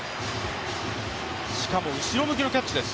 しかも後ろ向きのキャッチです。